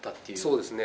そうですね。